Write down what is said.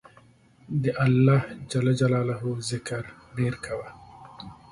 د الله ذکر ډیر کوه